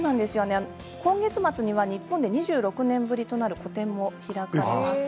今月末には日本で２６年ぶりとなる個展も開かれます。